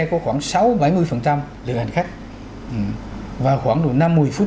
có khoảng sáu bảy mươi phần trăm lượng hành khách và khoảng đủ năm mươi phút